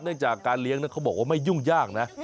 จากการเลี้ยงเขาบอกว่าไม่ยุ่งยากนะ